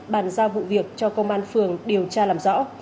bàn giao vụ việc cho công an phường điều tra làm rõ